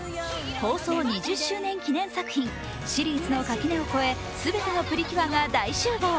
放送２０周年記念作品、シリーズの垣根を越え全てのプリキュアが大集合。